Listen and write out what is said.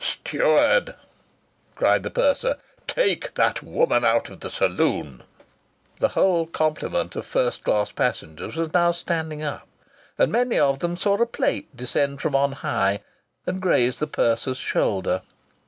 "Steward," cried the purser, "take that woman out of the saloon." The whole complement of first class passengers was now standing up, and many of them saw a plate descend from on high and graze the purser's shoulder.